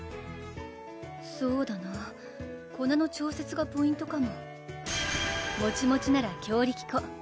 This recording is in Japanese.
そうだな粉の調節がポイントかもモチモチなら強力粉！